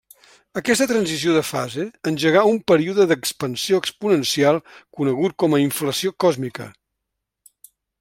Aquesta transició de fase engegà un període d'expansió exponencial conegut com a inflació còsmica.